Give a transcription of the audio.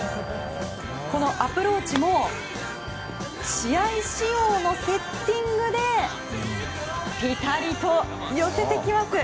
このアプローチも試合仕様のセッティングでピタリと寄せてきます！